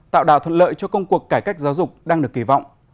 tạo đạo thuận lợi cho công cuộc cải cách giáo dục đang được kỳ vọng